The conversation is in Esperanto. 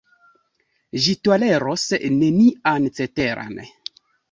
Ĝi toleros nenian ceteran.